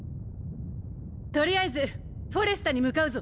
取りあえずフォレスタに向かうぞ。